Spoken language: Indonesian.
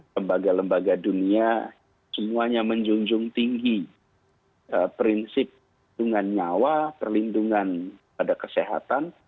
lembaga lembaga dunia semuanya menjunjung tinggi prinsip perlindungan nyawa perlindungan pada kesehatan